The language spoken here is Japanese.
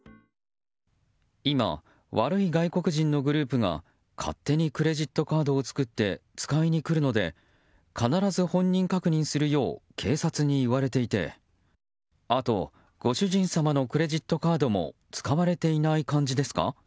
今、悪い外国人のグループが勝手にクレジットカードを作って使いに来るので必ず本人確認するよう警察に言われていて、あとご主人様のクレジットカードも使われていない感じですか？